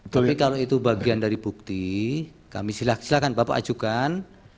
tapi kalau itu bagian dari bukti kami silakan bapak ajukan